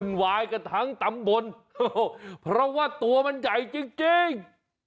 วายกันทั้งตำบลเพราะว่าตัวมันใหญ่จริง